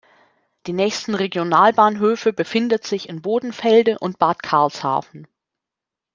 Die nächsten Regionalbahnhöfe befindet sich in Bodenfelde und Bad Karlshafen.